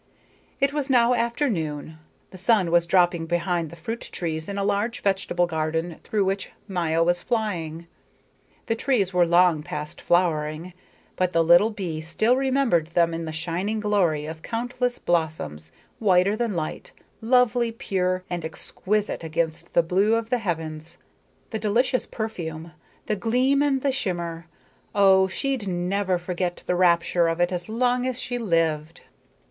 It was now afternoon. The sun was dropping behind the fruit trees in a large vegetable garden through which Maya was flying. The trees were long past flowering, but the little bee still remembered them in the shining glory of countless blossoms, whiter than light, lovely, pure, and exquisite against the blue of the heavens. The delicious perfume, the gleam and the shimmer oh, she'd never forget the rapture of it as long as she lived.